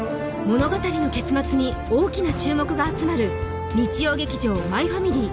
物語の結末に大きな注目が集まる日曜劇場「マイファミリー」